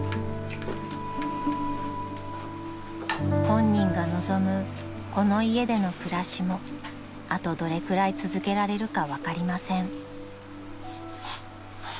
［本人が望むこの家での暮らしもあとどれくらい続けられるか分かりません］